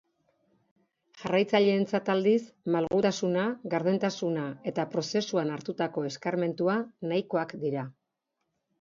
Jarraitzaileentzat aldiz, malgutasuna, gardentasuna eta prozesuan hartutako eskarmentua, nahikoak dira.